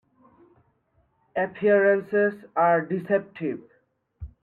Appearances are deceptive.